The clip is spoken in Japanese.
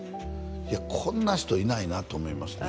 いやこんな人いないなと思いますね